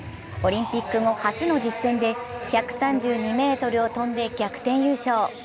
オリンピック後初の実戦で１３２ｍを飛んで逆転優勝。